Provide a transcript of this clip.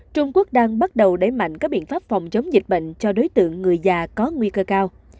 trung quốc đang bắt đầu đẩy mạnh các biện pháp phòng chống dịch bệnh cho đối tượng người già có nguy cơ cao